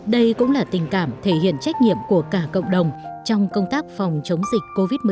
đây cũng là tình cảm thể hiện trách nhiệm của cả cộng đồng trong công tác phòng chống dịch covid một mươi chín